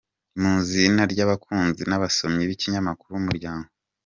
Mu izina ry’abakunzi n’abasomyi b’ikinyamakuru Umuryango.